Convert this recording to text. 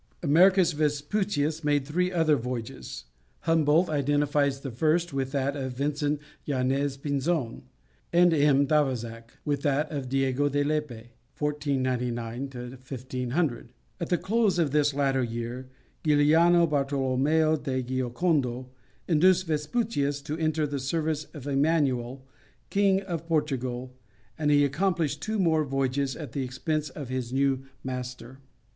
Americus Vespucius made three other voyages. Humboldt identifies the first with that of Vincent Yañez Pinzon, and M. d'Avezac with that of Diego de Lepe (1499 1500). At the close of this latter year, Giuliano Bartholomeo di Giocondo induced Vespucius to enter the service of Emmanuel, King of Portugal, and he accomplished two more voyages at the expense of his new master.